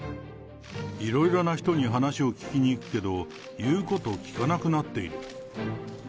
いろいろな人に話を聞きに行くけど、言うこと聞かなくなっている。